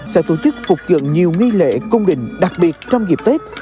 sẽ tổ chức phục dựng nhiều nghi lễ cung đình đặc biệt trong dịp tết